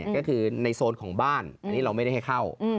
ก็คือในโซนของบ้านอันนี้เราไม่ได้ให้เข้า